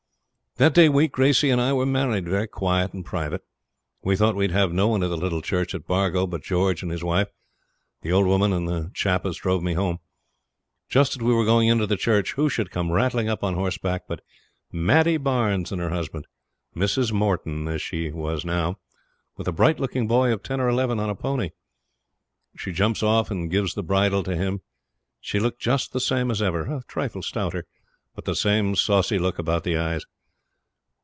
..... That day week Gracey and I were married, very quiet and private. We thought we'd have no one at the little church at Bargo but George and his wife, the old woman, and the chap as drove me home. Just as we were going into the church who should come rattling up on horseback but Maddie Barnes and her husband Mrs. Moreton, as she was now, with a bright looking boy of ten or eleven on a pony. She jumps off and gives the bridle to him. She looked just the same as ever, a trifle stouter, but the same saucy look about the eyes.